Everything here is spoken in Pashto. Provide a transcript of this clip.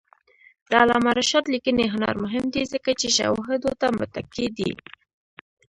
د علامه رشاد لیکنی هنر مهم دی ځکه چې شواهدو ته متکي دی.